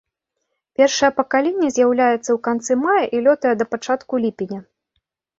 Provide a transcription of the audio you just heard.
Першае пакаленне з'яўляецца ў канцы мая і лётае да пачатку ліпеня.